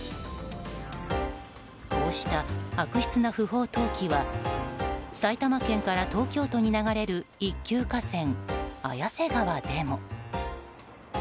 こうした悪質な不法投棄は埼玉県から東京都に流れる一級河川、綾瀬川でも。